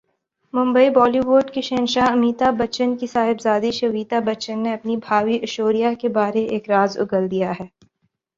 Mumbai Bollywood کے شہنشاہ امیتابھبچن کی صاحبزادی شویتا بچن نے اپنی بھابھی ایشوریا کے بارے ایک راز اگل دیا ہے